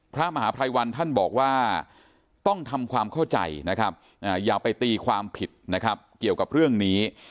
พระมหาภัยวันท่านบอกว่าต้องทำความเข้าใจนะครับอย่าไปตีความผิดนะครับเกี่ยวกับเรื่องนี้